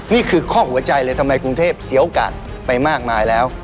นี่คือข้อหัวใจเลยทำไมกรุงเทพเสียโอกาสไปมากมายแล้ว